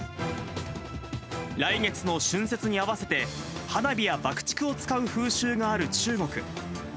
来月の春節に合わせて、花火や爆竹を使う風習がある中国。